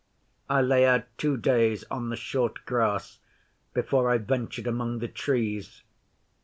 I lay out two days on the short grass before I ventured among the Trees.